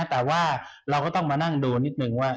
แต่ว่าเราก็ต้องมานั่งดูนิดนึงว่า